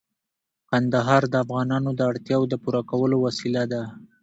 کندهار د افغانانو د اړتیاوو د پوره کولو وسیله ده.